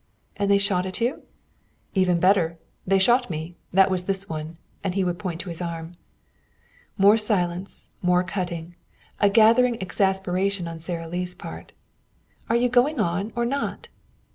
"And they shot at you?" "Even better. They shot me. That was this one." And he would point to his arm. More silence, more cutting, a gathering exasperation on Sara Lee's part. "Are you going on or not?"